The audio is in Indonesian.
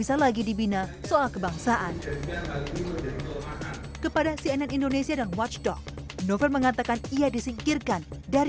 alat untuk menyingkirkan taksir pergerakan menyingkirkan